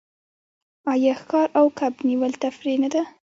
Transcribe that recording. آیا ښکار او کب نیول تفریح نه ده؟